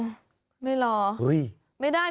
ก็คือเธอนี่มีความเชี่ยวชาญชำนาญ